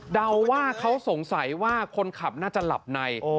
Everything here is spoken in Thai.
เดาว่าเขาสงสัยว่าคนขับน่าจะหลับใน